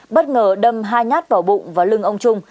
bất ngờ đâm hai nhát vào bụng và lưng ông trung